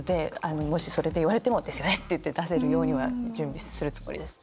もしそれで言われても「ですよね！」って言って出せるようには準備するつもりです。